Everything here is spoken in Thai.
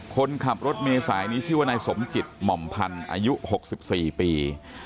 คนขับรถเมษายนี้ชื่อว่านายสมจิตหม่อมพันธ์อายุ๖๔ปี